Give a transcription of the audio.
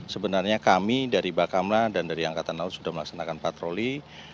sebenarnya kami dari bakamla dan dari angkatan laut sudah melaksanakan patroli